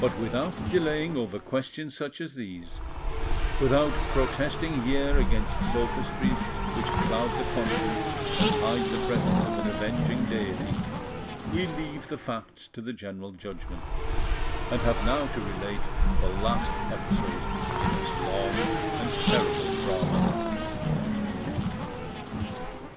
But without delaying over questions such as these, without protesting here against sophistries which cloud the conscience and hide the presence of an avenging Deity, we leave the facts to the general judgment, and have now to relate the last episode in this long and terrible drama.